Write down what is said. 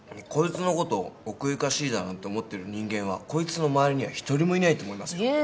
こいつのこと奥ゆかしいだなんて思ってる人間はこいつの周りには一人もいないと思いますよ。